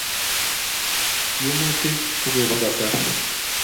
tyemutik ko Kobo kasar